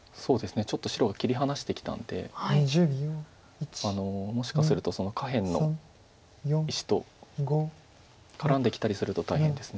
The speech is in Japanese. ちょっと白が切り離してきたんでもしかするとその下辺の石と絡んできたりすると大変です。